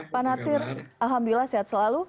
pak natsir alhamdulillah sehat selalu